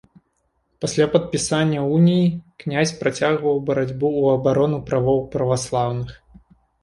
Пасля падпісання уніі князь працягваў барацьбу ў абарону правоў праваслаўных.